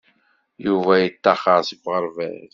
Yuba yeṭṭaxer seg uɣerbaz.